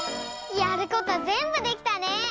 やることぜんぶできたね！